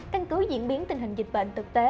căn cứ diễn biến tình hình dịch bệnh thực tế